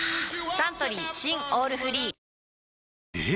サントリー新「オールフリー」え？